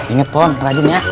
ingat pon rajin ya